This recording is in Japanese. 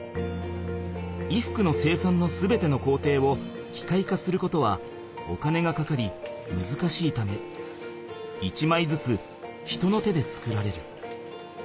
衣服の生産の全てのこうていをきかい化することはお金がかかりむずかしいため１まいずつ人の手で作られる。